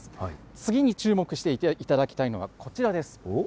次に注目していただきたいのがこちらです。